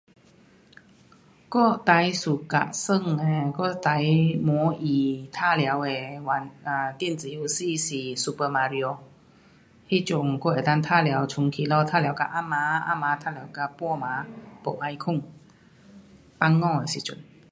我最 suka 玩的我最满意玩耍的玩啊，电子游戏是 super mario 那阵我能够玩耍从起早玩耍到暗晚，暗晚玩耍到半晚没要睡。放假的时阵。